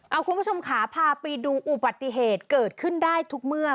เอาคุณผู้ชมขาพาไปดูอุบัติเหตุเกิดขึ้นได้ทุกเมื่อ